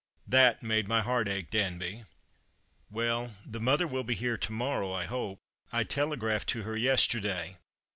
That made my heart ache, Danby." " Well, the mother will be here to morrow, I hope. I telegraphed to her yesterday.